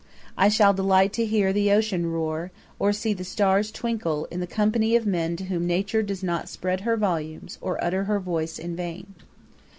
I shall delight to hear the ocean roar, or see the stars twinkle, in the company of men to whom Nature does not spread her volumes or utter her voice in vain.